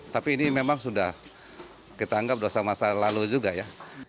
tapi ini memang sudah kita anggap dosa masa lalu juga ya